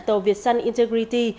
tàu việt sun integrity